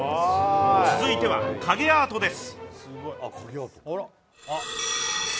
続いては、影アートです。